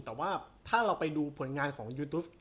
แต่ว่าถ้าเราไปดูผลงานของยูทูส